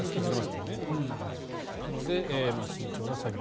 なので慎重な作業。